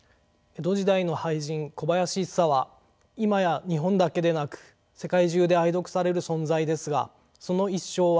江戸時代の俳人小林一茶は今や日本だけでなく世界中で愛読される存在ですがその一生は苦難に満ちていました。